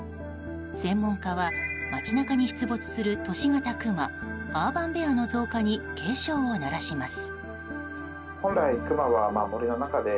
専門家は街中に出没する都市型クマアーバンベアの増加に警鐘を鳴らします。